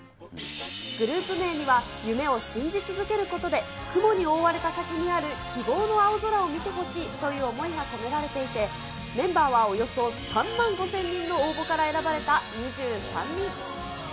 グループ名には、夢を信じ続けることで、雲に覆われた先にある希望の青空を見てほしいという思いが込められていて、メンバーはおよそ３万５０００人の応募から選ばれた２３人。